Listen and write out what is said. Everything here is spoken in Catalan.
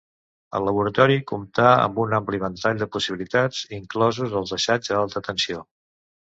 El laboratori comptà amb un ampli ventall de possibilitats, inclosos els assaigs a alta tensió.